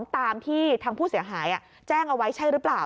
ตามที่ทางผู้เสียหายแจ้งเอาไว้ใช่หรือเปล่า